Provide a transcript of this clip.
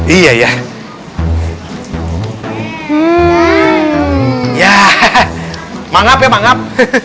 iya ya ya manggap ya manggap